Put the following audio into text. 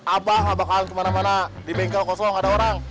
abah gak bakalan kemana mana di bengkel kosong gak ada orang